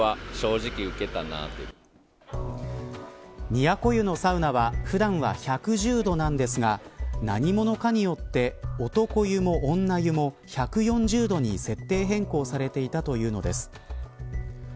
都湯のサウナは普段は１１０度なのですが何者かによって男湯も女湯も１４０度に設定変更されていたというのです。